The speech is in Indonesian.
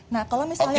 nah kalau misalnya